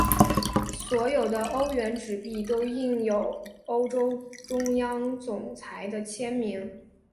所有的欧元纸币都印有欧洲央行总裁的签名。